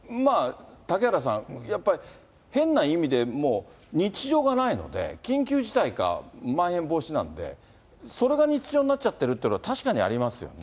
嵩原さん、変な意味でもう、日常がないので、緊急事態かまん延防止なので、それが日常になっちゃってるって、確かにありますよね。